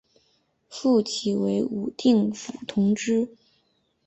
复起为武定府同知。